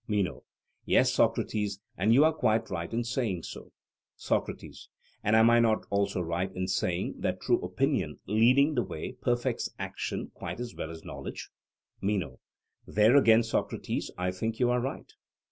MENO: Yes, Socrates; and you are quite right in saying so. SOCRATES: And am I not also right in saying that true opinion leading the way perfects action quite as well as knowledge? MENO: There again, Socrates, I think you are right.